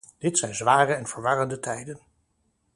Dit zijn zware en verwarrende tijden.